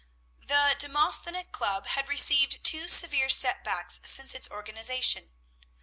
The Demosthenic Club had received two severe setbacks since its organization.